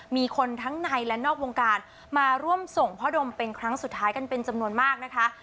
มีคนทั้งในและนอกวงการมาร่วมส่งพ่อดมเป็นครั้งสุดท้ายกันเป็นจำนวนมากนะคะ